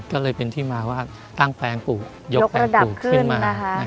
ก็เลยเป็นที่มาว่าตั้งแปลงปลูกยกแปลงปลูกขึ้นมา